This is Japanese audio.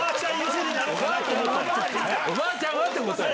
おばあちゃんはってことよ。